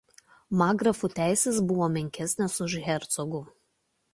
Markgrafų teisės buvo menkesnės už hercogų.